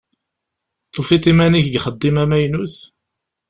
Tufiḍ iman-ik deg uxeddim amaynut?